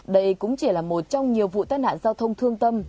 đây cũng chỉ là một trong nhiều vụ tai nạn giao thông thương tâm